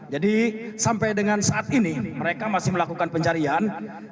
sampai dengan saat ini mereka masih melakukan pencarian